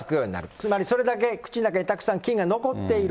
つまりそれだけ口の中にたくさん菌が残っている。